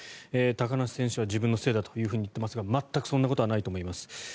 高梨選手は自分のせいだというふうに言っていますが全くそんなことはないと思います。